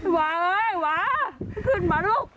วาเอ้ยวาขึ้นมาลูก